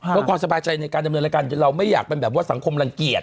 เพื่อความสบายใจในการดำเนินรายการเราไม่อยากเป็นแบบว่าสังคมรังเกียจ